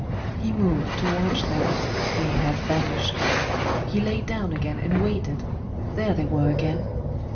He moved to watch them: they had vanished. He lay down again and waited.... There they were again.